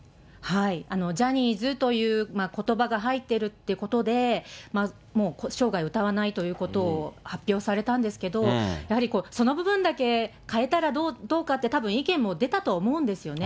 ジャニーズということばが入っているということで、生涯、歌わないということを発表されたんですけど、やはり、その部分だけ変えたらどうかって、たぶん意見も出たと思うんですよね。